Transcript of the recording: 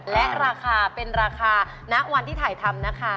และราคาเป็นราคาณวันที่ถ่ายทำนะคะ